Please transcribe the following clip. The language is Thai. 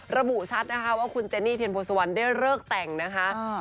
ระบุชัดนะคะว่าคุณเจนี่เทียนโพสุวรรณได้เลิกแต่งนะคะ